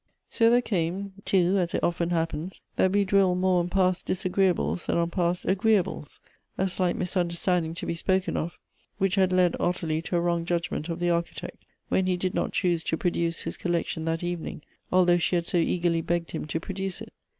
So there came, too, as it often happens that we dwell more on past disagreeables than on past agreeables, a slight misunderstanding to be spoken of, which had led Ottilie to a wrong judgment of the Architect, when he did not choose to produce his collection that evening, although she had so eagerly begged him to produce it.